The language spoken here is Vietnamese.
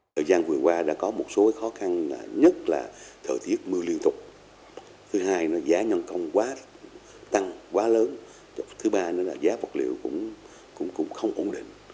thời gian vừa qua đã có một số khó khăn nhất là thời tiết mưa liên tục thứ hai là giá nhân công quá tăng quá lớn thứ ba nữa là giá vật liệu cũng không ổn định